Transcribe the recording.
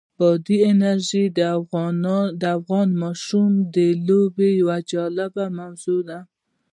بادي انرژي د افغان ماشومانو د لوبو یوه جالبه موضوع ده.